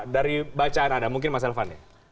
dari bacaan anda mungkin mas elvan